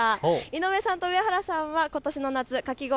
井上さんと上原さんはことしの夏、かき氷